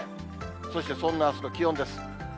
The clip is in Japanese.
そしてそんなあすの気温です。